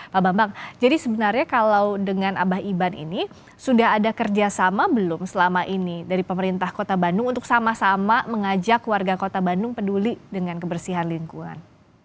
pak bambang jadi sebenarnya kalau dengan abah iban ini sudah ada kerjasama belum selama ini dari pemerintah kota bandung untuk sama sama mengajak warga kota bandung peduli dengan kebersihan lingkungan